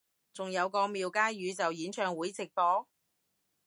仲有個廟街元宇宙演唱會直播？